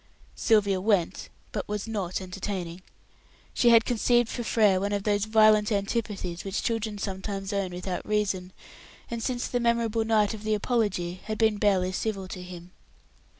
Sylvia went, but was not entertaining. She had conceived for Frere one of those violent antipathies which children sometimes own without reason, and since the memorable night of the apology had been barely civil to him.